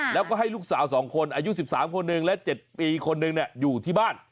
แล้วก็ให้ลูกสาว๒คนอายุ๑๓คนหนึ่งและ๗ปีคนหนึ่งอยู่ที่บ้าน